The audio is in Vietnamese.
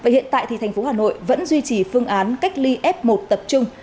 hiện tại thành phố hà nội vẫn duy trì phương án cách ly f một tập trung